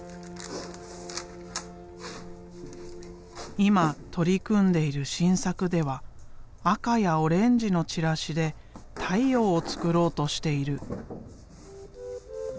今取り組んでいる新作では赤やオレンジのチラシで太陽を作ろうとしている。